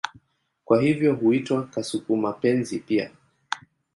Kwa hivyo huitwa kasuku-mapenzi pia.